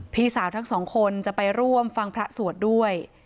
พี่สาวทั้งสองคนจะไปร่วมฟังพระสวดด้วย